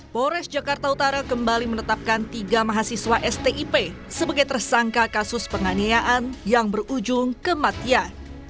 polres jakarta utara kembali menetapkan tiga mahasiswa stip sebagai tersangka kasus penganiayaan yang berujung kematian